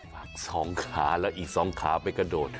ฝัก๒ขาแล้วอีก๒ขาไปกระโดด